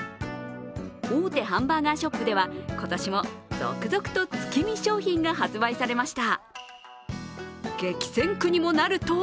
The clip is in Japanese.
大手ハンバーガーショップでは今年も続々と月見商品が発売されました。